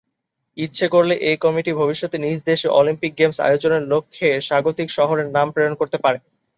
ইচ্ছে করলে এ কমিটি ভবিষ্যতে নিজ দেশে অলিম্পিক গেমস আয়োজনের লক্ষ্যে স্বাগতিক শহরের নাম প্রেরণ করতে পারে।